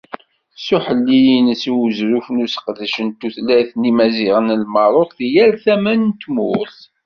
S uḥelli-ines i uzref n useqdec n tutlayt n Yimaziɣen n Lmerruk deg yal tama n tmurt.